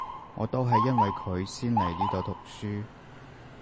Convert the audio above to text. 我都係因為佢先嚟呢度讀書